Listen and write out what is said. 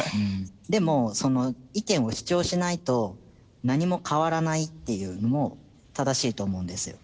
でもその意見を主張しないと何も変わらないっていうのも正しいと思うんですよ。